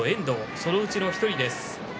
そのうちの１人です。